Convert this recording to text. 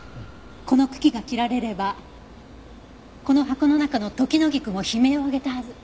この茎が切られればこの箱の中のトキノギクも悲鳴を上げたはず。